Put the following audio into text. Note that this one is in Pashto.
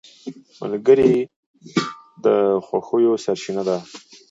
ملګری د خوښیو سرچینه ده